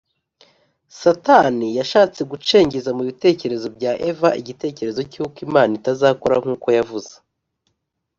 Satani yashatse gucengeza mu bitekerezo bya Eva igitekerezo cy’uko Imana itazakora nkuko yavuze